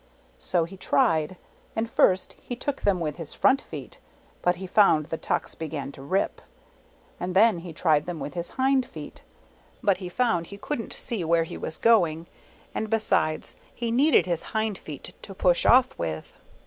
So he tried, and first he took them with his front feet, but he found the tucks began to rip. And then he tried with his hind feet, but he found he couldn't see where he was going, and besides, he needed his hind feet to push off with.